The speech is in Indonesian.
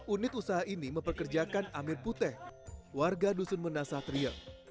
unit usaha ini memperkerjakan amir putih warga dusun menasah trie